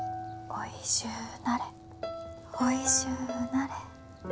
おいしゅうなれ。